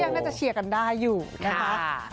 น่าจะเชียร์กันได้อยู่นะคะ